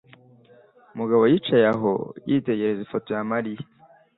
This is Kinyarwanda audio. Mugabo yicaye aho, yitegereza ifoto ya Mariya.